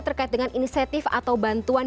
bagaimana dengan inisiatif atau bantuan